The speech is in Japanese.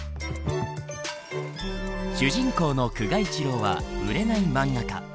主人公の久我一郎は売れない漫画家。